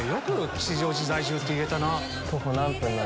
吉祥寺在住って言えたな。